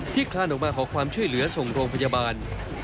คลานออกมาขอความช่วยเหลือส่งโรงพยาบาล